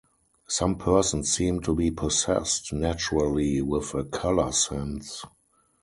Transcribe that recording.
Some persons seem to be possessed naturally with a color sense.